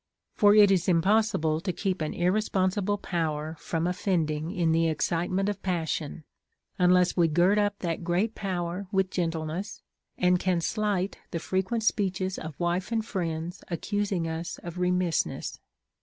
For it is impossible to keep an irresponsible poΛver from offending in the excitement of passion, unless we gird up that great power with gentleness, and can slight the frequent speeches of wife and friends accusing us of remissness.